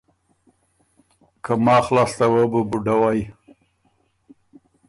که ماخ لاسته وه بُو بُډوئ۔